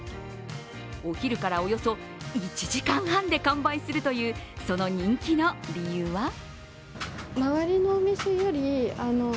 お昼からおよそ１時間半で完売するというその人気の理由は？